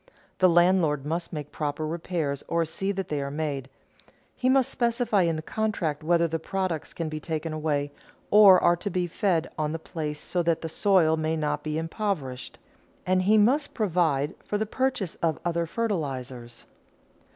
The landlord must make the proper repairs or see that they are made; he must specify in the contract whether the products can be taken away or are to be fed on the place so that the soil may not be impoverished, and he must provide for the purchase of other fertilizers.